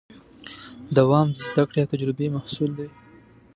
دوام د زدهکړې او تجربې محصول دی.